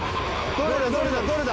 どれだどれだどれだ？